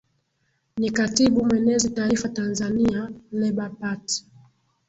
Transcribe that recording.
ni katibu mwenezi taifa tanzania labour party